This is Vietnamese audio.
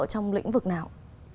trong lĩnh vực nào